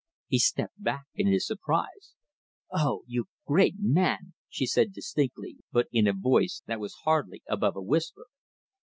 He stepped back in his surprise. "Oh! You great man!" she said distinctly, but in a voice that was hardly above a whisper.